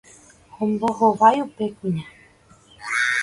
ombohavái upe kuña.